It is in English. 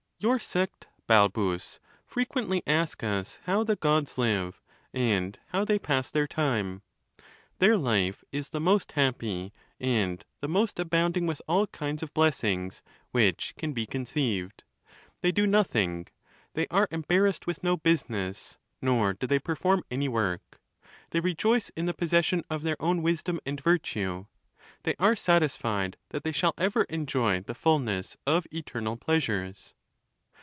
Your sect, Balbus, frequently ask us how the Gods live, and how they pass their time ? Their life is the most happy, and the most abounding with all kinds of blessings, which can be conceived. They do nothing. They are embarrassed with no business ; nor do they perform any work. They rejoice in the possession of their own wisdom and virtue. They are satisfied that they shall ever enjoy the fulness of eternal pleasures.